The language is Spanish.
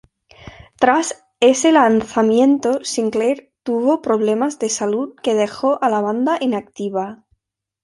Tras ese lanzamiento, Sinclair tuvo problemas de salud que dejó a la banda inactiva.